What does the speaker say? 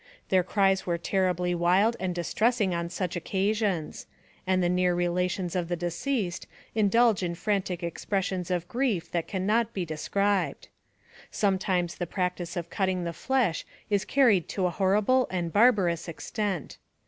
Their cries are terribly wild and distressing, on such occasions; and the near relations of the de ceased indulge in frantic expressions of grief that can not be described. Sometimes the practice of cutting the flesh is carried to a horrible and barbarous extent.